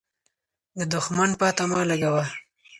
د دښمن پته مه لګوه.